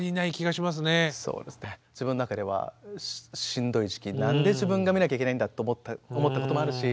自分の中ではしんどい時期何で自分が見なきゃいけないんだと思ったこともあるし